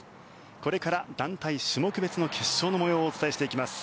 これから団体種目別の決勝の模様をお伝えしていきます。